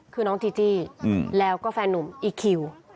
คือน้องจีจี้แล้วก็แฟนหนุ่มอีคิว